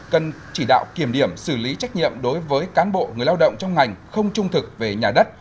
cần chỉ đạo kiểm điểm xử lý trách nhiệm đối với cán bộ người lao động trong ngành không trung thực về nhà đất